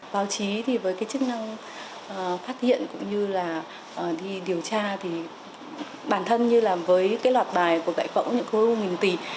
báo chí với chức năng phát hiện cũng như là đi điều tra bản thân như là với loạt bài của đại phẫu những khối u nghìn tỷ